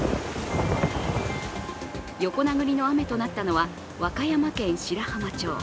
横殴りの雨となったのは和歌山県白浜町。